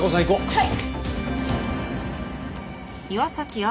はい。